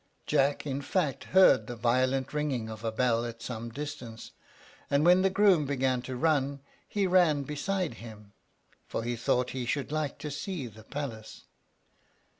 Jack, in fact, heard the violent ringing of a bell at some distance; and when the groom began to run, he ran beside him, for he thought he should like to see the palace.